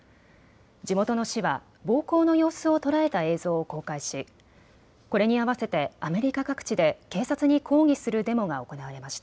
地元の市は暴行の様子を捉えた映像を公開しこれに合わせてアメリカ各地で警察に抗議するデモが行われました。